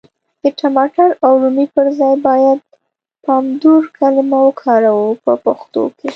د ټماټر او رومي پر ځای بايد پامدور کلمه وکاروو په پښتو کي.